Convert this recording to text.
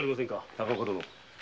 高岡殿。